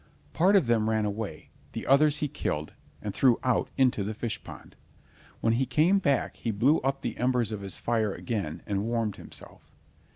Part of them ran away, the others he killed, and threw out into the fish pond. When he came back he blew up the embers of his fire again and warmed himself.